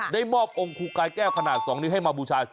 ได้มอบองค์ครูกายแก้วขนาด๒นิ้วให้มาบูชา